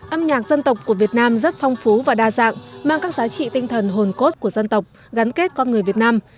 âm nhạc dân tộc của việt nam rất phong phú và đa dạng mang các giá trị tinh thần hồn cốt của dân tộc gắn kết con người việt nam